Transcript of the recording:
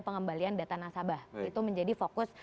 pengembalian data nasabah itu menjadi fokus